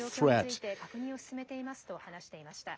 被害の状況について確認を進めていますと話していました。